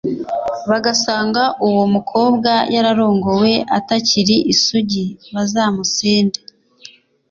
bagasanga uwo mukobwa yararongowe atakiri isugi bazamusende.